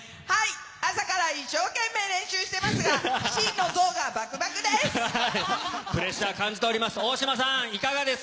朝から一生懸命練習していますが、心の臓がバクバクです。